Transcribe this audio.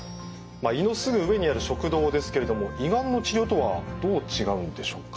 胃のすぐ上にある食道ですけれども胃がんの治療とはどう違うんでしょうか？